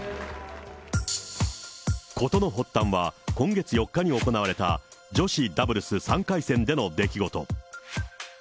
事の発端は、今月４日に行われた、女子ダブルス３回戦での出来事。